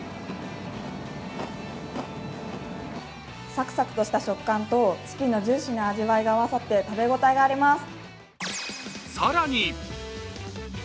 サクサクとした食感とチキンのジューシーな味わいが合わさって食べごたえがあります。